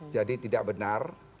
jadi tidak benar